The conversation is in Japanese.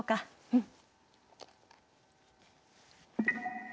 うん。